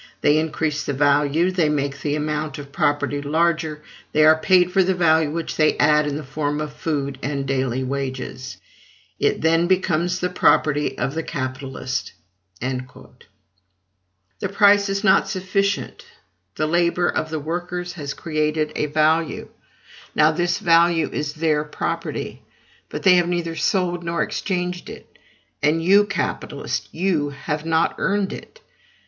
They increase the value, they make the amount of property larger; they are paid for the value which they add in the form of food and daily wages: it then becomes the property of the capitalist." The price is not sufficient: the labor of the workers has created a value; now this value is their property. But they have neither sold nor exchanged it; and you, capitalist, you have not earned it.